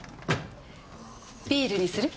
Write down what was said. ビールにする？